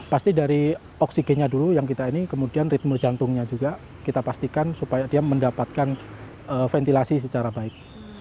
pasti dari oksigennya dulu yang kita ini kemudian ritme jantungnya juga kita pastikan supaya dia mendapatkan ventilasi secara baik